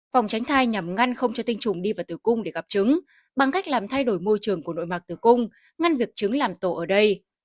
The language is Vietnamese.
phòng tránh thai nhằm ngăn không cho tinh trùng đi vào tử cung để gặp trứng bằng cách làm thay đổi môi trường của nội mạc tử cung ngăn việc trứng làm tổ ở đây